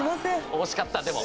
惜しかったでも。